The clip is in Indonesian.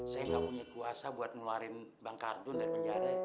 saya nggak punya kuasa buat ngeluarin bang kardun dari penjara